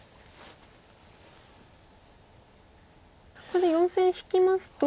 ここで４線引きますと。